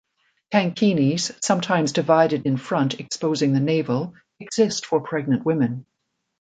Tankinis, sometimes divided in front exposing the navel, exist for pregnant women.